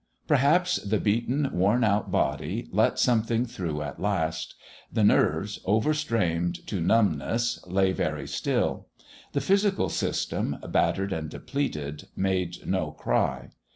Perhaps the beaten, worn out body let something through at last. The nerves, over strained to numbness, lay very still. The physical system, battered and depleted, made no cry.